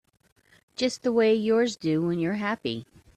Just the way yours do when you're happy.